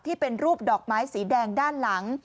ที่เป็นรูปดอกไม้สีแดงด้านหลัง